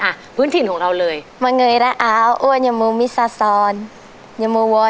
อ่ะพื้นถิ่นของเราเลย